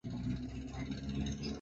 haiegemie upande wowote wa morogoro